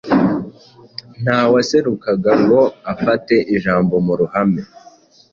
ntawaserukaga ngo afate ijambo mu ruhame.